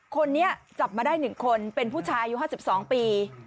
คนนี้จับมาได้หนึ่งคนเป็นผู้ชายูห้าสิบสองปี